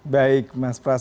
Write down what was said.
baik mas pras